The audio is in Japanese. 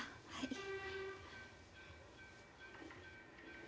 はい。